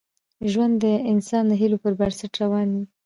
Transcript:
ژوند د انسان د هیلو پر بنسټ روان وي.